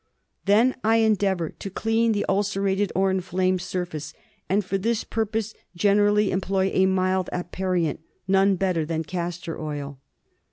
Then I endeavour to clean the ulcerated or inflamed surface, and for this purpose generally employ a mild aperient, none better than castor oil.